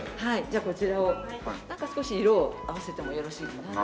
じゃあこちらをなんか少し色を合わせてもよろしいかなと。